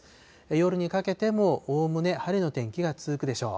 夜にかけてもおおむね晴れの天気が続くでしょう。